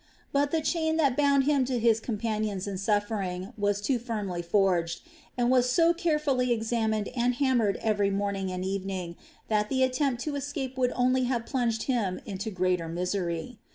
But the chain that bound him to his companions in suffering was too firmly forged, and was so carefully examined and hammered every morning and evening, that the attempt to escape would only have plunged him into greater misery.